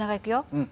うん。